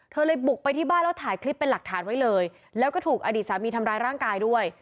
เลยบุกไปที่บ้านแล้วถ่ายคลิปเป็นหลักฐานไว้เลยแล้วก็ถูกอดีตสามีทำร้ายร่างกายด้วย